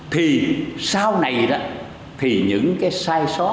thì sau này đó thì những cái sai sót